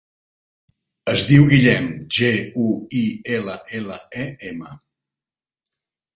Es diu Guillem: ge, u, i, ela, ela, e, ema.